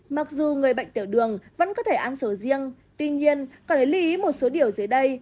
mặc dù người bệnh tiểu đường vẫn có thể ăn sầu riêng tuy nhiên có thể lý ý một số điều dưới đây